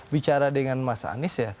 bicara dengan mas anies ya